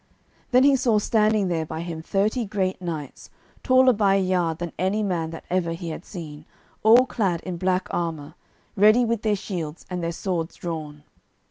Then he saw standing there by him thirty great knights, taller by a yard than any man that ever he had seen, all clad in black armour, ready with their shields, and their swords drawn.